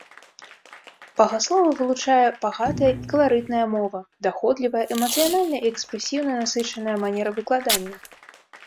Багаслова вылучае багатая і каларытная мова, даходлівая, эмацыянальна і экспрэсіўна насычаная манера выкладання.